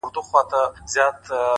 چي شال يې لوند سي د شړۍ مهتاجه سينه ـ